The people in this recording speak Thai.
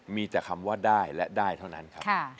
มีแต่คำว่าได้และได้เท่านั้นครับ